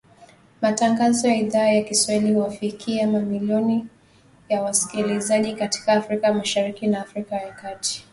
Matangazo ya Idhaa ya Kiswahili huwafikia mamilioni ya wasikilizaji katika Afrika Mashariki na Afrika ya kati.